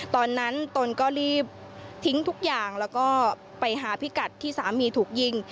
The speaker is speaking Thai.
ตนก็รีบทิ้งทุกอย่างแล้วก็ไปหาพิกัดที่สามีถูกยิง